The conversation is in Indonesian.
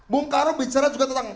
bung karno bicara juga tentang